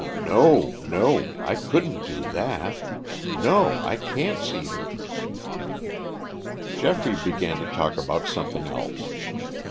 no, no! I couldn't do that. No, I can't see her." Geoffrey began to talk about something else.